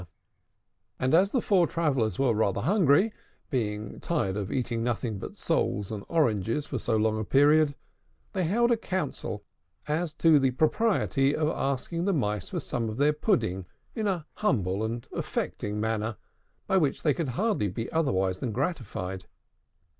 And as the four travellers were rather hungry, being tired of eating nothing but soles and oranges for so long a period, they held a council as to the propriety of asking the Mice for some of their pudding in a humble and affecting manner, by which they could hardly be otherwise than gratified.